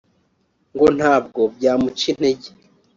ngo ntabwo byamuca intege